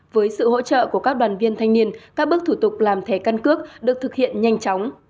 với sự hỗ trợ của các đoàn viên thanh niên các bước thủ tục làm thẻ căn cước được thực hiện nhanh chóng